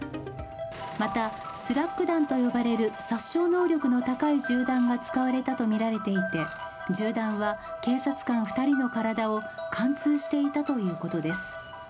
またスラッグ弾と呼ばれる殺傷能力の高い銃弾が使われたとみていて銃弾は警察官２人の体を貫通していたということです。